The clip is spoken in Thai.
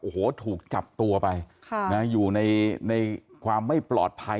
โอ้โหถูกจับตัวไปอยู่ในความไม่ปลอดภัย